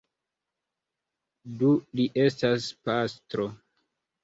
Do li estas pastro.